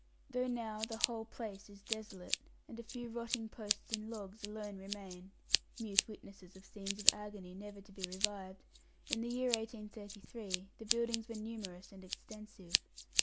Though now the whole place is desolate, and a few rotting posts and logs alone remain mute witnesses of scenes of agony never to be revived in the year 1833 the buildings were numerous and extensive.